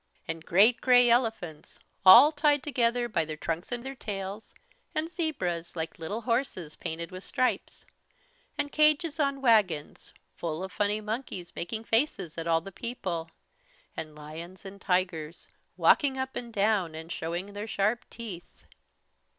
And great grey elephants, all tied together by their trunks and their tails; and zebras like little horses painted with stripes; and cages on wagons, full of funny monkeys, making faces at all the people; and lions and tigers, walking up and down and showing their sharp teeth.